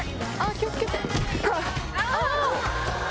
気を付けて！